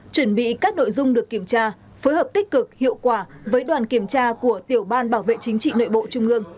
chuẩn bị các nội dung được kiểm tra phối hợp tích cực hiệu quả với đoàn kiểm tra của tiểu ban bảo vệ chính trị nội bộ trung ương